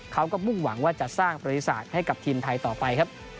เขาก็มุ่งหวังว่าจะสร้างประวัติศาสตร์ให้กับทีมไทยต่อไปครับ